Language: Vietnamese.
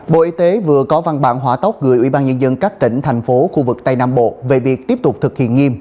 bộ y tế vừa có văn bản hỏa tóc gửi ủy ban nhân dân các tỉnh thành phố khu vực tây nam bộ về việc tiếp tục thực hiện nghiêm